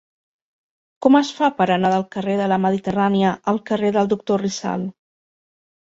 Com es fa per anar del carrer de la Mediterrània al carrer del Doctor Rizal?